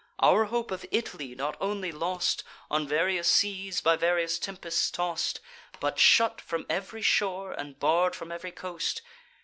Our hope of Italy not only lost, On various seas by various tempests toss'd, But shut from ev'ry shore, and barr'd from ev'ry coast.